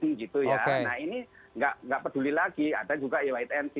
nah ini nggak peduli lagi ada juga eytnc